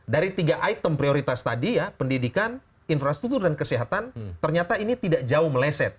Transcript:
dari tiga item prioritas tadi ya pendidikan infrastruktur dan kesehatan ternyata ini tidak jauh meleset